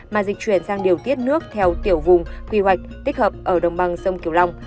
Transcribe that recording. mà dịch chuyển sang điều tiết nước theo tiểu vùng quy hoạch tích hợp ở đồng bằng sông kiều long